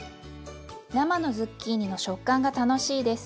生のズッキーニの食感が楽しいです。